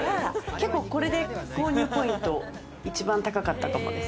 結構これで購入ポイント、一番高かったかもです。